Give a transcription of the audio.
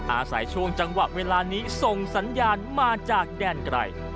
อาศัยช่วงจังหวะเวลานี้ส่งสัญญาณมาจากแดนไกล